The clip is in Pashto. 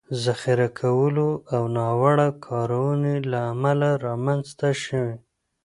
ذخیره کولو او ناوړه کارونې له امله رامنځ ته شوي